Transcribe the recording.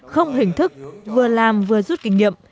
không hình thức vừa làm vừa rút kinh nghiệm